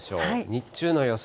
日中の予想